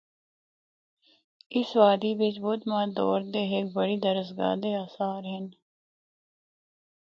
اس وادی بچ بدمت دور دی ہک بڑی درسگاہ دے آثار ہن۔